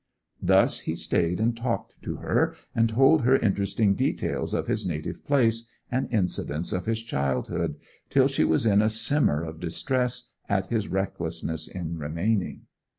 Thus he stayed and talked to her, and told her interesting details of his native place, and incidents of his childhood, till she was in a simmer of distress at his recklessness in remaining.